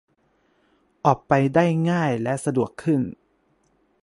ออกไปได้ง่ายและสะดวกขึ้น